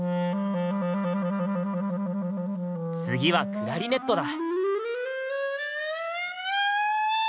次はクラリネットだ。